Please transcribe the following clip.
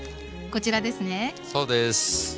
そうです。